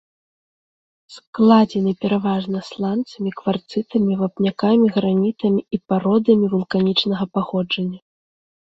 Складзены пераважна сланцамі, кварцытамі, вапнякамі, гранітамі і пародамі вулканічнага паходжання.